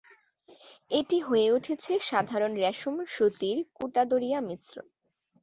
এটি হয়ে উঠেছে সাধারণ রেশম-সুতির কোটা দরিয়া মিশ্রণ।